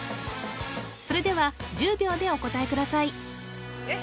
それでは１０秒でお答えください